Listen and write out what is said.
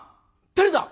「誰だ！？」。